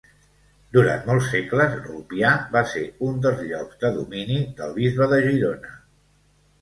Durant molts segles Rupià va ser un dels llocs de domini del bisbe de Girona.